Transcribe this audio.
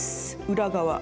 裏側。